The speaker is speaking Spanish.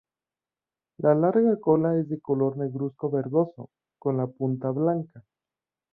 La larga cola es de color negruzco verdoso, con la punta blanca.